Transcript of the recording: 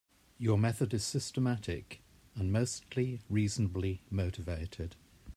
Your method is systematic and mostly reasonably motivated.